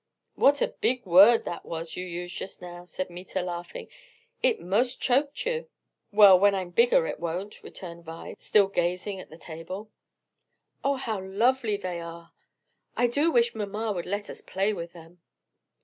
"What a big word that was you used just now," said Meta, laughing, "It 'most choked you." "Well when I'm bigger it won't," returned Vi, still gazing at the table. "Oh how lovely they are! I do wish mamma would let us play with them."